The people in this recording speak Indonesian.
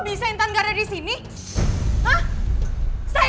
masa makanannya cuma sebuah mangkok